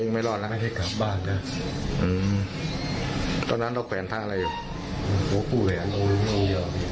ผมแผนตัวเอง